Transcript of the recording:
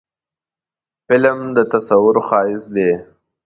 فلم د تصور ښایست دی